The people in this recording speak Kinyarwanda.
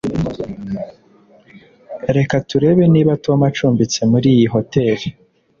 reka turebe niba tom acumbitse muri iyi hoteri